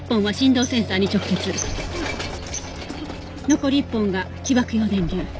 残り１本が起爆用電源。